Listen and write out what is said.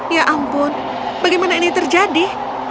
ya ampun bagaimana ini terjadi